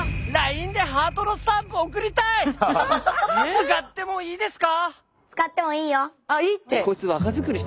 使ってもいいですか？